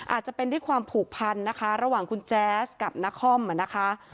อาจจะเป็นด้วยความผูกพันนะคะระหว่างคุณแจ๊สกับนครนะคะ